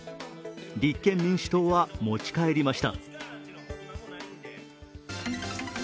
立憲民主党は持ち帰りました。